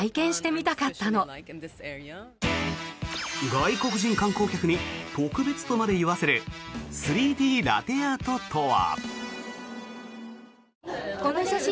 外国人観光客に特別とまで言わせる３Ｄラテアートとは。